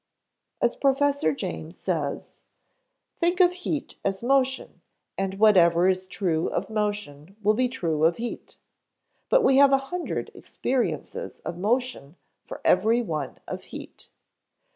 As Professor James says: "Think of heat as motion and whatever is true of motion will be true of heat; but we have a hundred experiences of motion for every one of heat.